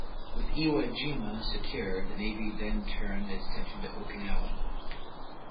With Iwo Jima secured, the Navy then turned its attention to Okinawa.